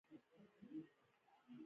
پانګوال په دې پیسو خپل لګښتونه پوره کوي